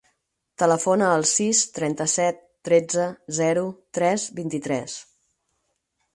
Telefona al sis, trenta-set, tretze, zero, tres, vint-i-tres.